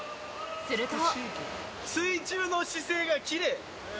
すると。